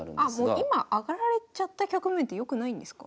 あもう今上がられちゃった局面ってよくないんですか？